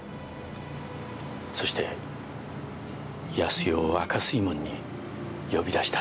そして康代を赤水門に呼び出した。